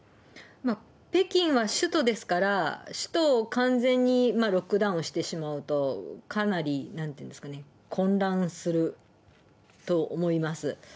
北京は首都ですから、首都を完全にロックダウンしてしまうと、かなり、なんていうんですかね、混乱すると思います。